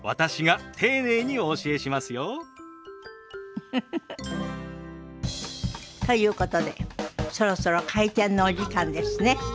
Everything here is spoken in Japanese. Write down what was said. ウフフフ。ということでそろそろ開店のお時間ですね。